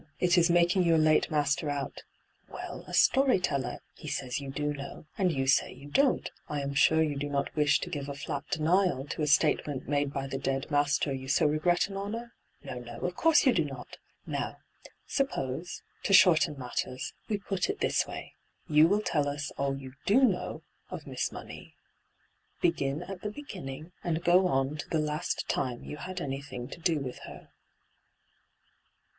' It is making your late master out — ^well, a story teller. He says you do know, and you Bay you don't. I am sure you do not wish to give a flat denial to a statement made by the dead master you so regret and honour ? No, no, of course you do not ! Now, suppose, to shorten matters, we put it this way : You will tell us all you do know of Miss Money — begin at the be^nning, and go on to the last time you had anything to do with her.'